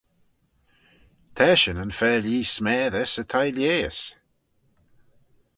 T'eshyn yn fer-lhee s'messey 'sy thie-lheihys!